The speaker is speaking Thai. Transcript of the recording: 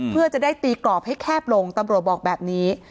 เพื่อจะได้ตีกรอบให้แคบลงตำรวจบอกแบบนี้